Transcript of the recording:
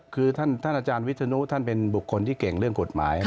คือท่านอาจารย์วิศนุท่านเป็นบุคคลที่เก่งเรื่องกฎหมาย